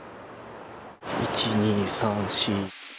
１、２、３、４。